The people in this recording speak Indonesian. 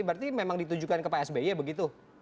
berarti memang ditujukan ke pak sby begitu